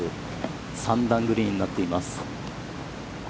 ３段グリーンになっています。